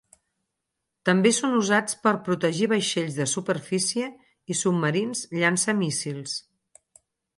També són usats per protegir vaixells de superfície i submarins llançamíssils.